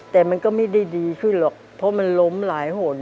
แต่มันก็ไม่ได้ดีขึ้นหรอกเพราะมันล้มหลายหน